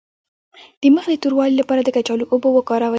د مخ د توروالي لپاره د کچالو اوبه وکاروئ